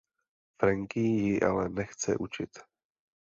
Frankie ji ale nechce učit.